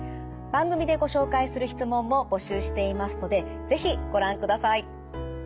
番組でご紹介する質問も募集していますので是非ご覧ください。